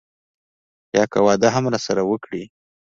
بيا که واده هم راسره وکړي.